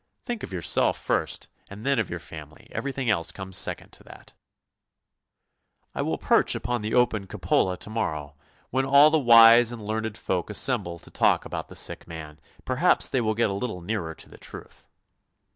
" Think of yourself first and then of your family, everything else comes second to that ! I will perch upon the open cupola to morrow when all the wise and learned folk assemble to talk about the sick man, perhaps they will get a little nearer to the truth